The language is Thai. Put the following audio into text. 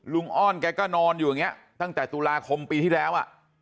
อ้อนแกก็นอนอยู่อย่างนี้ตั้งแต่ตุลาคมปีที่แล้ว